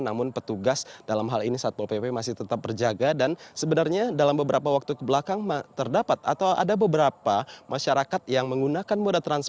namun petugas dalam hal ini satpol pp masih tetap berjaga dan sebenarnya dalam beberapa waktu kebelakang terdapat atau ada beberapa masyarakat yang menggunakan moda transportasi